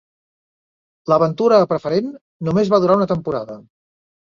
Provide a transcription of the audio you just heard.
L'aventura a preferent només va durar una temporada.